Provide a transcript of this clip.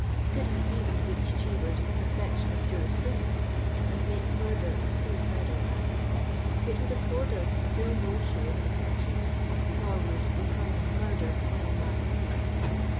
Could we even reach Cheever's " perfection of juris prudence," and make <* murder a suicidal act," it would afford us still no sure protection, nor would the crime of murder well nigh cease."